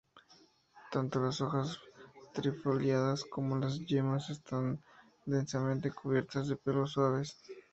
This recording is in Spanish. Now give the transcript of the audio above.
Tanto las hojas trifoliadas como las yemas, están densamente cubiertas de pelos suaves.